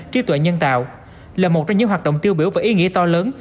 trí tuệ nhân tạo là một trong những hoạt động tiêu biểu và ý nghĩa to lớn